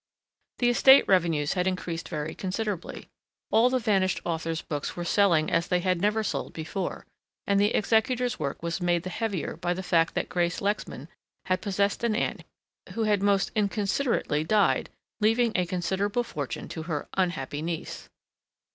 The estate revenues had increased very considerably. All the vanished author's books were selling as they had never sold before, and the executor's work was made the heavier by the fact that Grace Lexman had possessed an aunt who had most inconsiderately died, leaving a considerable fortune to her "unhappy niece."